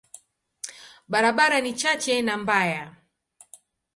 Barabara ni chache na mbaya.